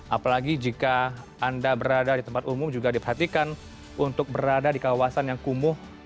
apalagi jika anda berada di tempat umum juga diperhatikan untuk berada di kawasan yang kumuh